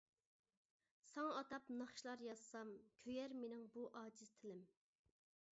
ساڭا ئاتاپ ناخشىلار يازسام، كۆيەر مېنىڭ بۇ ئاجىز تىلىم.